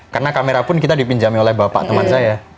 karena kamera pun kita dipinjami oleh bapak teman saya